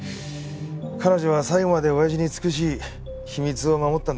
彼女は最後まで親父に尽くし秘密を守ったんですから。